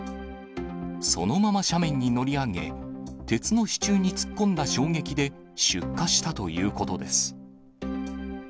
そのまま斜面に乗り上げ、鉄の支柱に突っ込んだ衝撃で出火したということです。